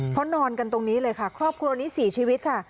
เพราะนอนกันตรงนี้เลยค่ะครอบครัวนี้๔ชีวิตค่ะ